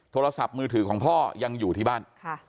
โทรศัพท์มือถือของพ่อยังอยู่ที่บ้าน